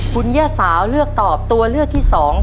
คุณย่าสาวเลือกตอบตัวเลือกที่๒